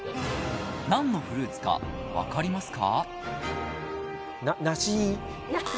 何のフルーツか分かりますか？